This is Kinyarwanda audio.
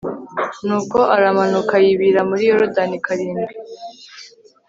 nuko aramanuka yibira muri yorodani karindwi